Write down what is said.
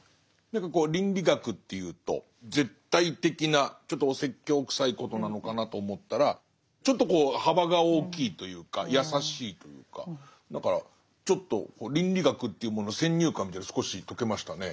何かこう倫理学っていうと絶対的なちょっとお説教くさいことなのかなと思ったらちょっと幅が大きいというか優しいというかだからちょっと倫理学というものの先入観みたいなの少し解けましたね。